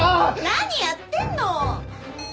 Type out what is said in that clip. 何やってんの！